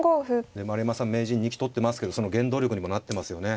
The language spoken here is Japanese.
丸山さん名人２期取ってますけどその原動力にもなってますよね。